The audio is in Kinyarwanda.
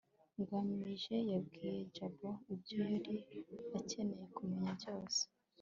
ngamije yabwiye jabo ibyo yari akeneye kumenya byose